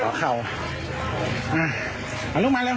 ขอเข้าอ่ะหาลูกมาเร็ว